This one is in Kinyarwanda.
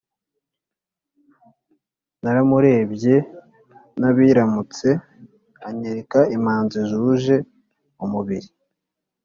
Naramurebye nabiramutse Anyereka imanzi zuje umubiri